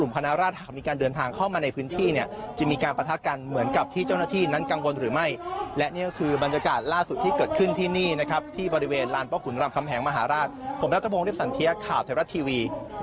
โปรดติดตามตอนต่อไป